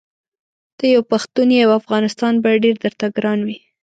ته یو پښتون یې او افغانستان به ډېر درته ګران وي.